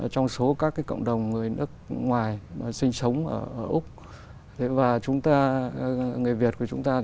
trong số các cộng đồng người việt của chúng ta